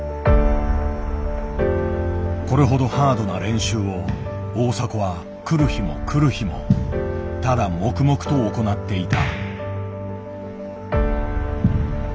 これほどハードな練習を大迫は来る日も来る日もただ黙々と行っていた。